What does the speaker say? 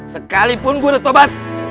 sekalipun gue udah tobat